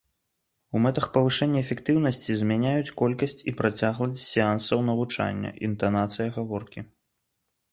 У мэтах павышэння эфектыўнасці змяняюць колькасць і працягласць сеансаў навучання, інтанацыя гаворкі.